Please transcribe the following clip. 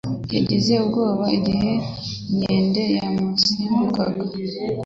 Yagize ubwoba igihe inkende yamusimbukaga.